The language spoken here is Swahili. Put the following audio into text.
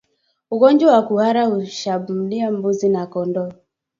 Ugonjwa wa kuhara hushambulia mbuzi na kondoo